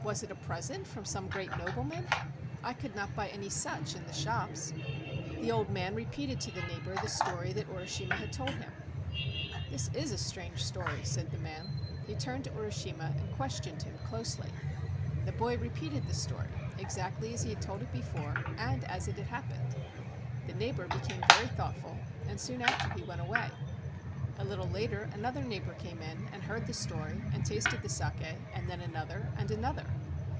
"Was it a present from some great nobleman? I could not buy any such in the shops." 152 A JAPANESE STORY The old man repeated to the neighbor the story that Urishima had told him. "This is a strange story," said the man. He turned to Urishima and questioned him closely. The boy repeated the story exactly as he had told it before, and as it had happened. The neighbor became very thoughtful, and soon after he went away. A little later another neighbor came in and heard the story and tasted the saki, and then another and another.